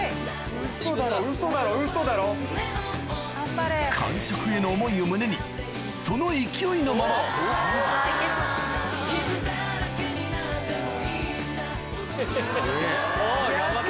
・ウソだろウソだろウソだろ・完食への思いを胸にその勢いのままおぉ頑張った。